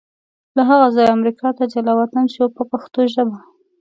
له هغه ځایه امریکا ته جلا وطن شو په پښتو ژبه.